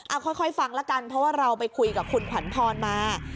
เอาค่อยฟังแล้วกันเพราะว่าเราไปคุยกับคุณขวัญพรมา